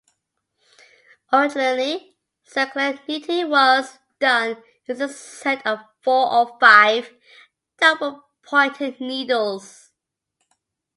Originally, circular knitting was done using a set of four or five double-pointed needles.